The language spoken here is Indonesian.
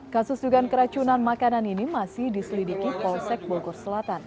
kasus dugaan keracunan makanan ini masih diselidiki polsek bogor selatan